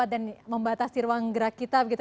dan membatasi ruang gerak kita